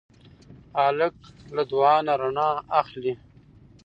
هلک له دعا نه رڼا اخلي.